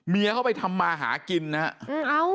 เมียเขาไปทำมาหากินนะฮะเอ้า